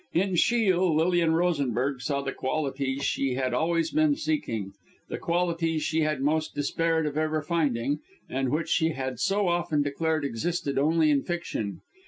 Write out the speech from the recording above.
In Shiel, Lilian Rosenberg saw the qualities she had always been seeking the qualities she had almost despaired of ever finding and which she had so often declared existed only in fiction.